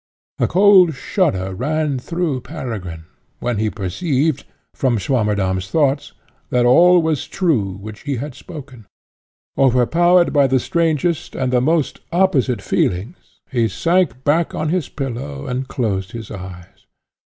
A cold shudder ran through Peregrine, when he perceived, from Swammerdamm's thoughts, that all was true which he had spoken. Overpowered by the strangest and the most opposite feelings, he sank back upon his pillow and closed his eyes.